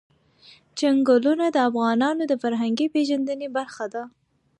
چنګلونه د افغانانو د فرهنګي پیژندنې برخه ده.